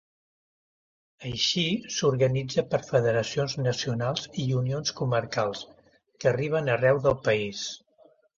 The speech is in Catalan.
Així s'organitza per Federacions Nacionals i Unions Comarcals, que arriben arreu del país.